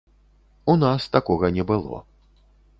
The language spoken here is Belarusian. У нас такога не было.